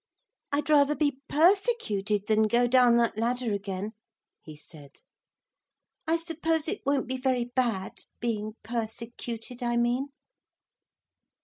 'I'd rather be persecuted than go down that ladder again,' he said. 'I suppose it won't be very bad being persecuted, I mean?'